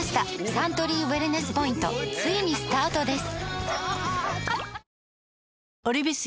サントリーウエルネスポイントついにスタートです！